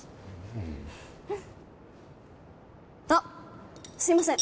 ううんあっすいません